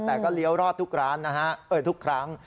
แต่ก็เลี้ยวรอดทุกครั้ง